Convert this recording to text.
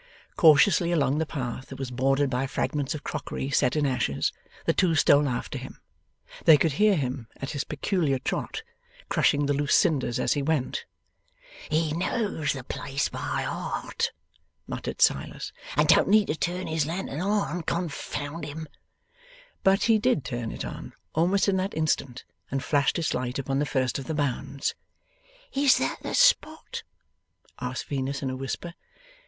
Cautiously along the path that was bordered by fragments of crockery set in ashes, the two stole after him. They could hear him at his peculiar trot, crushing the loose cinders as he went. 'He knows the place by heart,' muttered Silas, 'and don't need to turn his lantern on, confound him!' But he did turn it on, almost in that same instant, and flashed its light upon the first of the Mounds. 'Is that the spot?' asked Venus in a whisper.